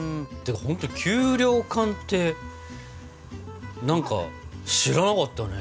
ほんと給糧艦って何か知らなかったね。